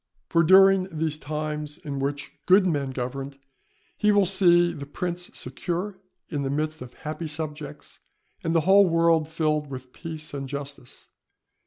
For during these times in which good men governed, he will see the prince secure in the midst of happy subjects, and the whole world filled with peace and justice.